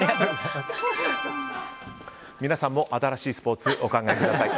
皆さんも新しいスポーツお考えください。